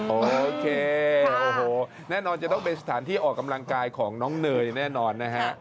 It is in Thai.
โอเคโอ้โหแน่นอนจะต้องเป็นสถานที่ออกกำลังกายของน้องเนยแน่นอนนะฮะ